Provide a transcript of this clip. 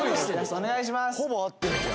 お願いします。